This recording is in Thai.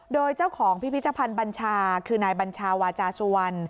โดยเจ้าของพิพิธภัณฑ์บัญชาคือนายบัญชาวาจาสุวรรณ